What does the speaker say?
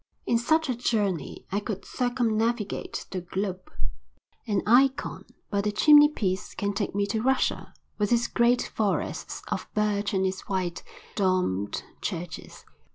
In such a journey I could circumnavigate the globe. An eikon by the chimneypiece can take me to Russia with its great forests of birch and its white, domed churches.